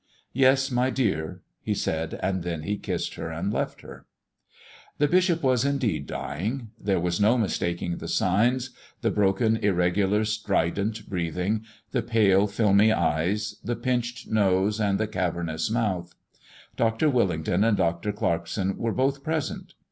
"Yes, my dear," he said. And then he kissed her and left her. The bishop was, indeed, dying. There was no mistaking the signs the broken, irregular, strident breathing; the pale, filmy eyes, the pinched nose, and the cavernous mouth. Dr. Willington and Dr. Clarkson were both present.